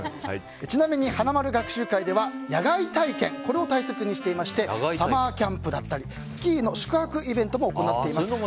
ちなみに花まる学習会では野外体験を大切にしていましてサマーキャンプだったりスキーの宿泊イベントも行っています。